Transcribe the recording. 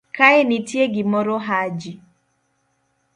kaenitie gimoro Haji